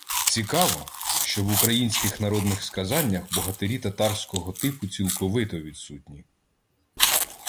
Цікаво, що в українських народних сказаннях богатирі татарського типу цілковито відсутні